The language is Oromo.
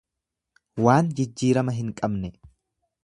Waan jijjirama hin qabne.